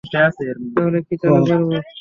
তাহলে কি চালু করবো?